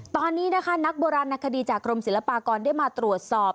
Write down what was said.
ตอนนี้นะคะนักโบราณนักคดีจากกรมศิลปากรได้มาตรวจสอบ